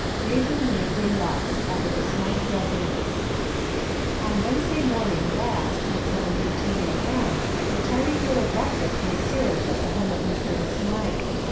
DÉJEUNER DE LUXE AT THE DE SMYTHE RESIDENCE On Wednesday morning last at 7.15 a.m. a charming little breakfast was served at the home of Mr. De Smythe.